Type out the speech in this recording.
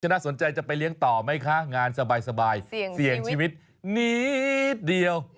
น่าสนใจจะไปเลี้ยงต่อไหมคะงานสบายเสี่ยงชีวิตนิดเดียว